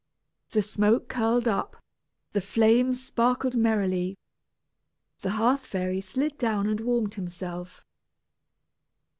The smoke curled up, the flames sparkled merrily. The hearth fairy slid down and warmed himself.